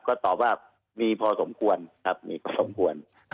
ก็ตอบว่ามีพอสมควรครับมีพอสมควร